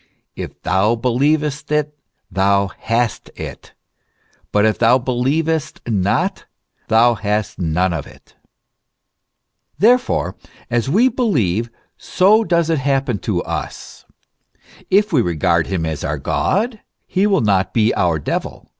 " If thou believest it, thou hast it ; but if thou believest not, thou hast none of it." " Therefore, as we be lieve, so does it happen to us. If we regard him as our God, He will not be our devil.